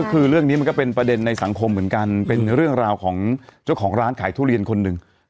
คือเรื่องนี้มันก็เป็นประเด็นในสังคมเหมือนกันเป็นเรื่องราวของเจ้าของร้านขายทุเรียนคนหนึ่ง